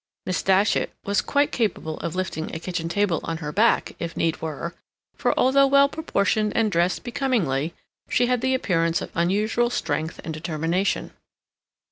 Miss Datchet was quite capable of lifting a kitchen table on her back, if need were, for although well proportioned and dressed becomingly, she had the appearance of unusual strength and determination.